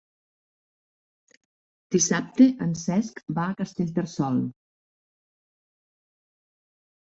Dissabte en Cesc va a Castellterçol.